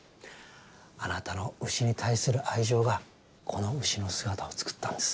あなたのうしに対する愛情がこのうしの姿を作ったんです。